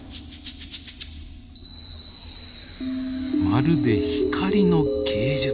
まるで光の芸術。